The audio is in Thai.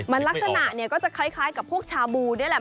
มันลักษณะเนี่ยก็จะคล้ายกับพวกชาบูนี่แหละ